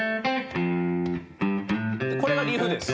これがリフです。